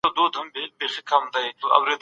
نيم کېلو له پوره څخه کم دئ.